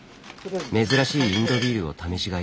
珍しいインドビールを試し買い。